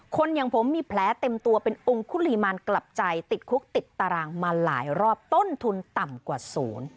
อย่างผมมีแผลเต็มตัวเป็นองค์คุณลีมานกลับใจติดคุกติดตารางมาหลายรอบต้นทุนต่ำกว่าศูนย์